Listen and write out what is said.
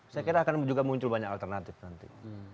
saya kira akan juga muncul banyak alternatif nanti